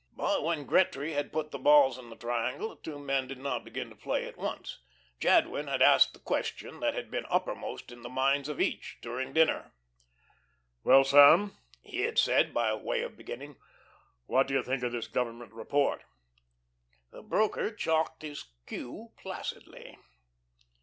But when Gretry had put the balls in the triangle, the two men did not begin to play at once. Jadwin had asked the question that had been uppermost in the minds of each during dinner. "Well, Sam," he had said, by way of a beginning, "what do you think of this Government report?" The broker chalked his cue placidly.